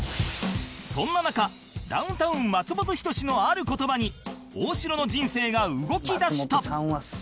そんな中ダウンタウン松本人志のある言葉に大城の人生が動き出した